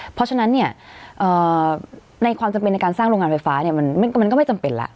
เพราะฉะนั้นเนี่ยในความจำเป็นในการสร้างโรงงานไฟฟ้าเนี่ยมันก็ไม่จำเป็นแล้ว